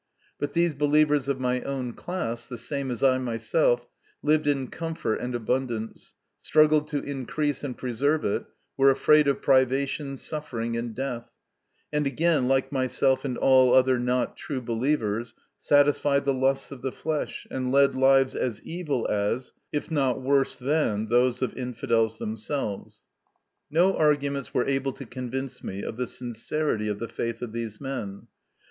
But these believers of my own class, the same as I myself, lived in comfort and abundance, struggled to increase and preserve it, were afraid of privation, suffering, and death ; and again, like myself and all other not true believers, satisfied the lusts of the flesh, and led lives as evil as, if not worse than, those of infidels themselves. No arguments were able to convince me of the sincerity of the faith of these men.